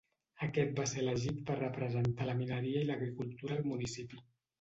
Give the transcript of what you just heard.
Aquest va ser elegit per representar la mineria i l'agricultura al municipi.